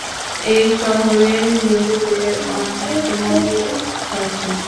এই শহরে হিন্দুদের অনেক মন্দির ও মঠ আছে।